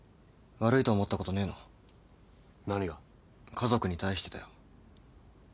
家族に対してだよ。